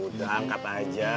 udah angkat aja